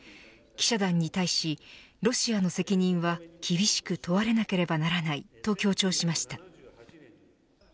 記者団に対しロシアの責任は厳しく問われなければならないと強調しました。